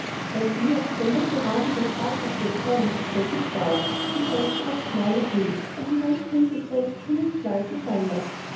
"My dear, then look round it as fast as you can," said his wife, with a traitorous smile at me, "and we won't breathe a Sess till it flies asunder."